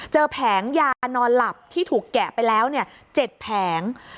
แผงยานอนหลับที่ถูกแกะไปแล้ว๗แผง